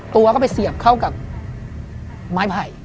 ตัวก็ไปเสียบเข้ากับไม้ไผ่